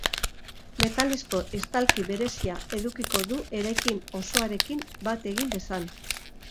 Metalezko estalki berezia edukiko du eraikin osoarekin bat egin dezan.